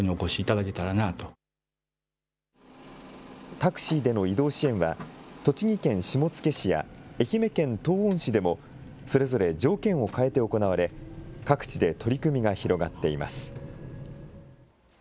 タクシーでの移動支援は、栃木県下野市や愛媛県東温市でもそれぞれ条件を変えて行われ、各地で取り組みが広がっています。